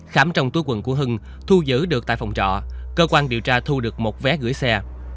khám trong túi quần của hưng thu giữ được tại phòng trọ cơ quan điều tra thu được một vé gửi xe